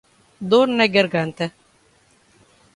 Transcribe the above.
Dor na garganta